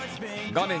画面